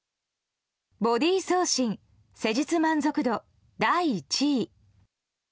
ボディー痩身、施術満足度第１位。